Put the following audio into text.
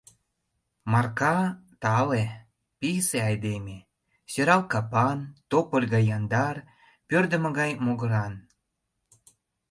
Марка — тале, писе айдеме, сӧрал капан, тополь гай яндар, пӧрдымӧ гай могыран.